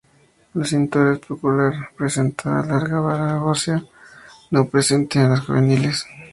La cintura escapular presentaba una larga vara ósea, no presente en los juveniles.